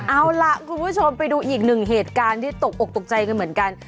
เอาล่ะคุณผู้ชมไปดูอีกหนึ่งเหตุการณ์ที่ตกอกตกใจกันเหมือนกัน